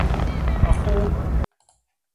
Αχού!